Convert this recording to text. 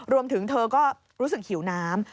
รวมถึงเธอก็รู้สึกหิวน้ำ